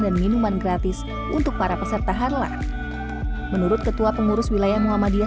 dan minuman gratis untuk para peserta harla menurut ketua pengurus wilayah muhammadiyah